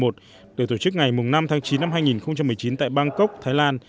được tổ chức ngày năm tháng chín năm hai nghìn một mươi chín tại bangkok thái lan